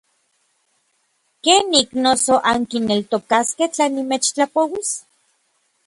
¿Kenik noso ankineltokaskej tla nimechtlapouis?